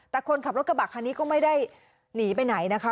แต่คนขับรถกระบะคันนี้ก็ไม่ได้หนีไปไหนนะคะ